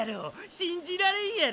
信じられんやろ？